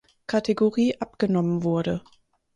Kategorie abgenommen wurde.